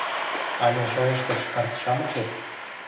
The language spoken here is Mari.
Але шойыштыч карт-шамычет?